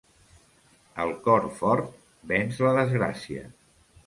El cor fort venç la desgràcia.